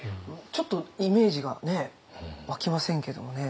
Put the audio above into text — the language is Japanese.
ちょっとイメージが湧きませんけどもね。